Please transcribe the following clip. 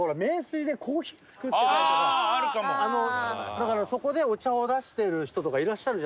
だからそこでお茶を出してる人とかいらっしゃるじゃない。